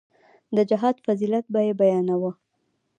د جهاد فضيلت به يې بياناوه.